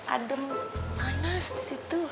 ada panas di situ